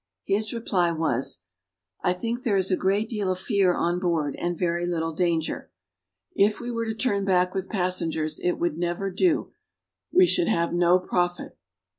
His reply was, "I think there is a great deal of fear on board, and very little danger. If we were to turn back with passengers, it would never do we should have no profit."